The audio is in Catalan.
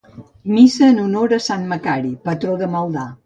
Missa en honor a Sant Macari, patró de Maldà.